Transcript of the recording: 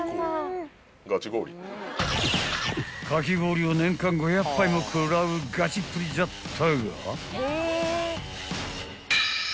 ［かき氷を年間５００杯も食らうガチっぷりじゃったが］